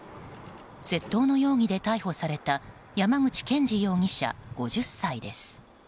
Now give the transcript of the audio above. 窃盗の容疑で逮捕された山口健司容疑者、５０歳です。